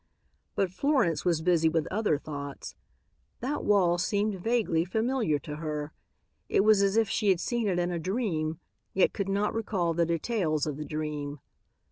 But Florence was busy with other thoughts. That wall seemed vaguely familiar to her. It was as if she had seen it in a dream, yet could not recall the details of the dream.